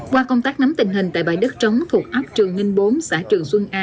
qua công tác nắm tình hình tại bãi đất trống thuộc áp trường ninh bốn xã trường xuân a